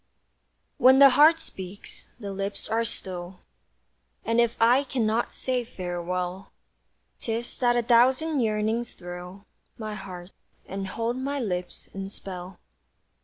When the heart speaks, the lips are still, And if I cannot say farewell, 'Tis that a thousand yearnings thrill My heart, and hold my lips in spell.